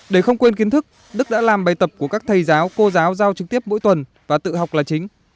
để không quên kiến thức đức đã làm bài tập của các thầy giáo cô giáo giao trực tiếp mỗi tuần và tự học là chính